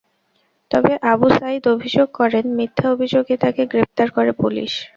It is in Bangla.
তবে আবু সাঈদ অভিযোগ করেন, মিথ্যা অভিযোগে তাঁকে গ্রেপ্তার করে পুলিশ।